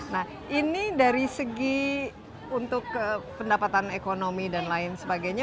nah ini dari segi untuk pendapatan ekonomi dan lain sebagainya